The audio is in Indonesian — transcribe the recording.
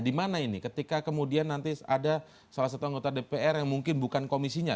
dimana ini ketika kemudian nanti ada salah satu anggota dpr yang mungkin bukan komisinya